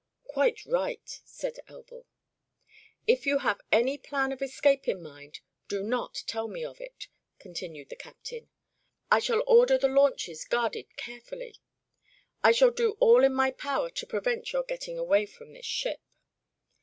"Quite right," said Elbl. "If you have any plan of escape in mind, do not tell me of it," continued the captain. "I shall order the launches guarded carefully. I shall do all in my power to prevent your getting away from this ship."